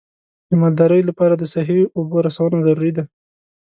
د مالدارۍ لپاره د صحي اوبو رسونه ضروري ده.